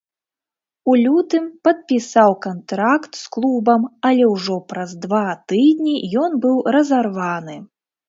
У лютым падпісаў кантракт з клубам, але ўжо праз два тыдні ён быў разарваны.